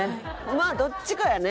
まあどっちかやね。